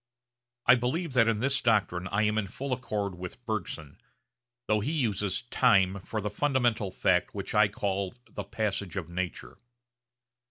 I believe that in this doctrine I am in full accord with Bergson, though he uses 'time' for the fundamental fact which I call the 'passage of nature.'